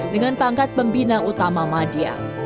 dengan pangkat pembina utama madia